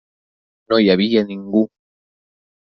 No hi havia ningú.